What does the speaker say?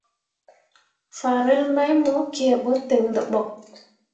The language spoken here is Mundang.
Farel mai mo kǝǝɓo ten dǝɓok.